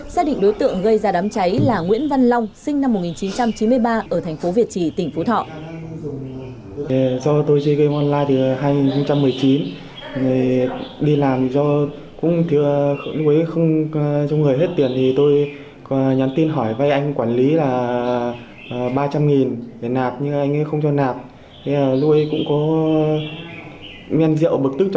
xác định đối tượng gây ra đám cháy là nguyễn văn long sinh năm một nghìn chín trăm chín mươi ba ở thành phố việt trì tỉnh phú thọ